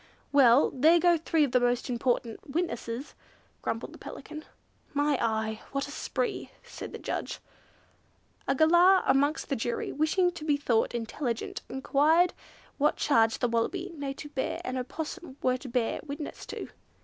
"Well, there go three of the most important witnesses," grumbled the Pelican. "My eye, what a spree!" said the judge. A Galah amongst the jury, wishing to be thought intelligent, enquired what charge the Wallaby, Native Bear, and Opossum were to bear witness to.